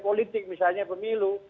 politik misalnya pemilu